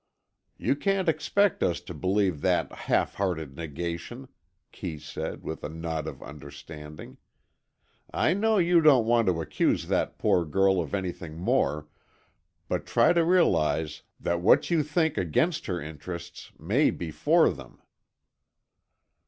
"You can't expect us to believe that half hearted negation," Kee said, with a nod of understanding. "I know you don't want to accuse that poor girl of anything more, but try to realize that what you think against her interests may be for them."